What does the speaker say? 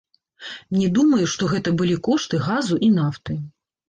Не думаю, што гэта былі кошты газу і нафты.